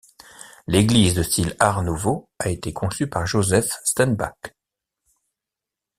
L'église de style Art nouveau a été conçue par Josef Stenbäck.